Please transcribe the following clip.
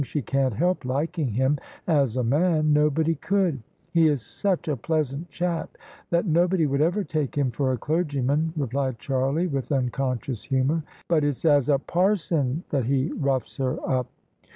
She can't help liking him as a man; nobody could: he is such a pleasant chap, that nobody would ever take him for a clergyman," replied Charlie, with unconscious humour: "but it's as a parson that he roughs her up."